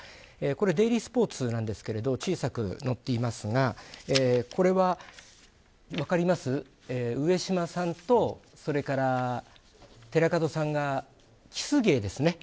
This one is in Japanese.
これはデイリースポーツなんですが小さく載っていますがこれは、分かります上島さんとそれから寺門さんがキス芸ですね。